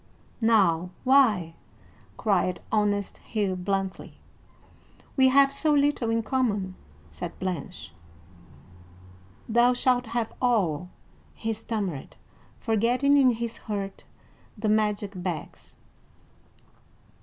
"Now, why?" cried honest Hugh bluntly. "We have so little in common," said Blanche. "Thou shalt have all," he stammered, forgetting, in his hurt, the magic bags.